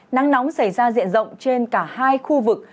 nắng nóng xảy ra diện rộng trên cả hai khu vực